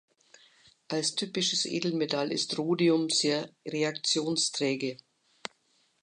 Als typisches Edelmetall ist Rhodium sehr reaktionsträge.